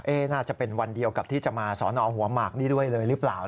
น่าจะเป็นวันเดียวกับที่จะมาสอนอหัวหมากนี่ด้วยเลยหรือเปล่า